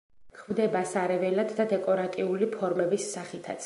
გვხვდება სარეველად და დეკორატიული ფორმების სახითაც.